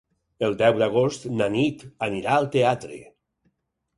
El deu d'agost na Nit anirà al teatre.